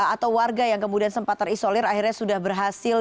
atau warga yang kemudian sempat terisolir akhirnya sudah berhasil